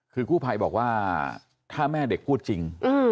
คือกู้ภัยบอกว่าถ้าแม่เด็กพูดจริง